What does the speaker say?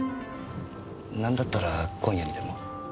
なんだったら今夜にでも。